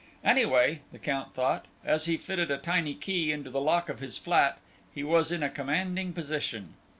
Anyway, the Count thought, as he fitted a tiny key into the lock of his flat, he was in a commanding position.